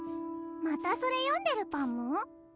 またそれ読んでるパム？